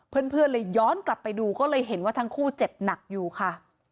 เพื่อนเลยย้อนกลับไปดูก็เลยเห็นว่าทั้งคู่เจ็บหนักอยู่ค่ะ